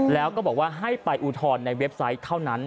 แล้วก็บอกว่าให้ไปอุทธรณ์ในเว็บไซต์เท่านั้น